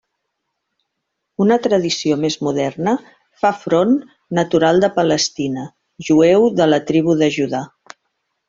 Una tradició més moderna, fa Front natural de Palestina, jueu de la tribu de Judà.